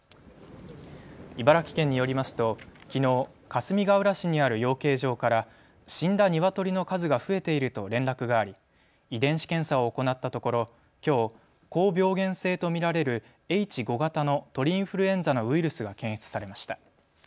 茨城県によりますと、きのうかすみがうら市にある養鶏場から死んだニワトリの数が増えていると連絡があり遺伝子検査を行ったところきょう、高病原性と見られるＨ５型の鳥インフルエンザのウイルスが検出されました。